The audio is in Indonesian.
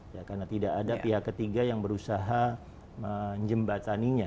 ya karena tidak ada pihak ketiga yang berusaha menjembataninya